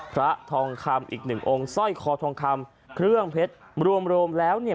พระทองคำอีกหนึ่งองค์สร้อยคอทองคำเครื่องเพชรรวมแล้วเนี่ย